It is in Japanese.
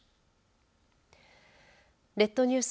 列島ニュース